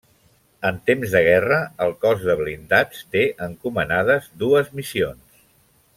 En temps de guerra, el Cos de Blindats té encomanades dues missions.